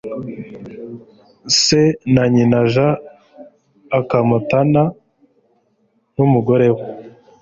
se na nyina j akomatana n umugore we